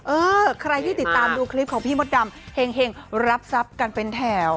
เออใครที่ติดตามดูคลิปของพี่มดดำเห็งรับทรัพย์กันเป็นแถว